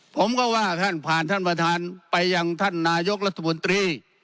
ผมก็ว่าท่านผ่านท่านประธานไปยังท่านนายกรัฐมนตรี